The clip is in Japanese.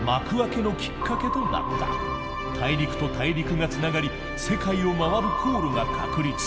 大陸と大陸がつながり世界を回る航路が確立。